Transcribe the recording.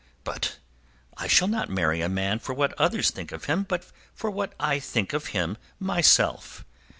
"But I shall not marry a man for what others think of him, but for what I think of him myself.